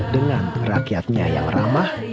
dengan rakyatnya yang ramah